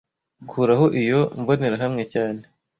Kuraho iyi mbonerahamwe cyane